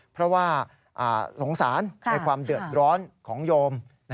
เพราะว่าสงสารในความเดือดร้อนของโยม